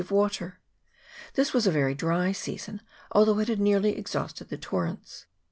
of water. This was a very dry season, although it had nearly exhausted the torrents.